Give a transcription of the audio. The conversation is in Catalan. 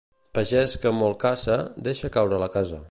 Pagès que molt caça, deixa caure la casa.